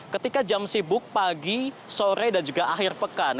ketika jam sibuk pagi sore dan juga akhir pekan